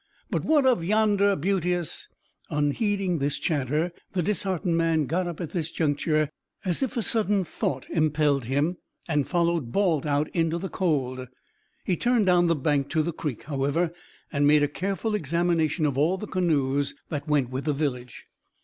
"'But what of yonder beauteous '" Unheeding this chatter, the disheartened man got up at this juncture, as if a sudden thought impelled him, and followed Balt out into the cold. He turned down the bank to the creek, however, and made a careful examination of all the canoes that went with the village.